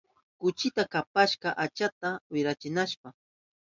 Kuchita kapashka ashwanta wirayananpa.